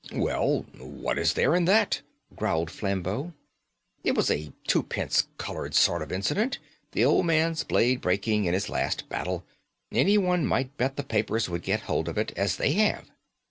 "Well, what is there in that?" growled Flambeau; "it was a twopence coloured sort of incident; the old man's blade breaking in his last battle. Anyone might bet the papers would get hold of it, as they have.